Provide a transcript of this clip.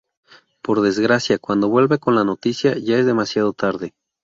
Por desgracia, cuando vuelve con la buena noticia, ya es demasiado tarde.